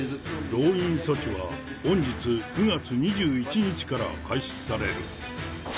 動員措置は本日９月２１日から開始される。